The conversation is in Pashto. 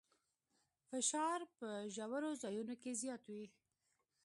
فشار په ژورو ځایونو کې زیات وي.